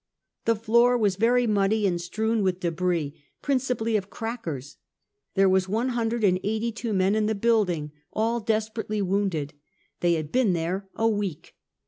The floor was verj muddy and strewn with dehris, principally of crackers. There was one hundred and eighty two men in the building, all desperately wound ed. They had been there a week.